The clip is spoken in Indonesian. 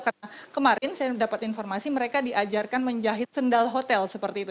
karena kemarin saya dapat informasi mereka diajarkan menjahit sendal hotel seperti itu